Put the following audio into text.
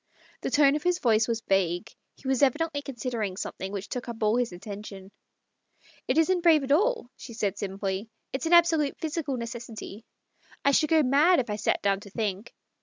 The tone of his voice was vague : he was evidently considering something which took up all his attention. " It isn't brave at all," she said simply. " It's an absolute physical necessity ; I should go mad if I sat down to think.